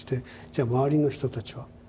じゃあ周りの人たちは？